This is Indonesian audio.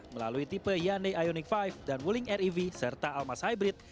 melalui tipe hyundai ioniq lima dan wuling rev serta almas hybrid